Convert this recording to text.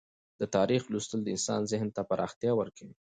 د تاریخ لوستل د انسان ذهن ته پراختیا ورکوي.